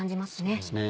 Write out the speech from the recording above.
そうですね。